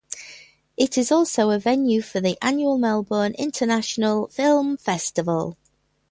It is also a venue for the annual Melbourne International Film Festival.